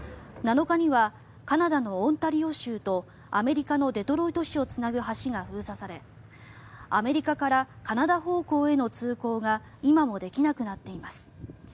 ７日にはカナダのオンタリオ州とアメリカのデトロイト市をつなぐ橋が封鎖されアメリカからカナダ方向への通行が今もできなくなっています。